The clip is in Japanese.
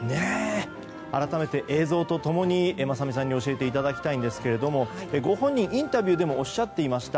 改めて映像とともに雅美さんに教えていただきたいんですがご本人がインタビューでもおっしゃっていました